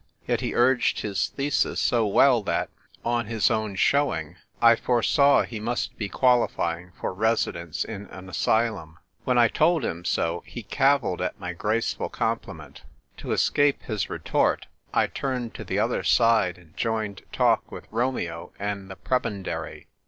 Yet he urged his thesis so well that, on his own showing, I foresaw he must be qualifying A DRAWN BATTLE. 1 8/ for residence in an asylum. Wi .en I told him so, he cavilled at my graceful compliment. To escape his retort, I turned to the other side and joined talk with Romeo and the pre bendary.